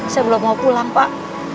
saya belum mau pulang pak